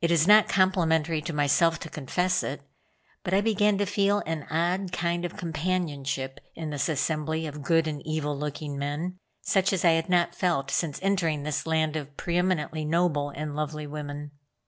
It is not complimentary to myself to confess it, but I began to feel an odd kind of companionship in this assembly of good and evil looking men, such as I had not felt since entering this land of pre eminently noble and lovely women.